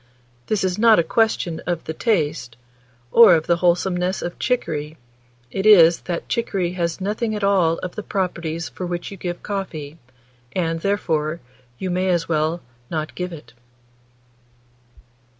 This is not a question of the taste, or of the wholesomeness of chicory; it is, that chicory has nothing at all of the properties for which you give coffee, and, therefore, you may as well not give it."